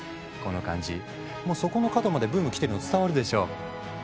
この感じもうそこの角までブーム来てるの伝わるでしょ？